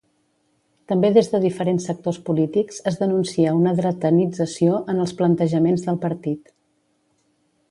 També des de diferents sectors polítics es denuncia una dretanització en els plantejaments del partit.